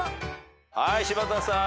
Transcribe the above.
はい柴田さん。